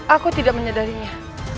aku tidak menyadarinya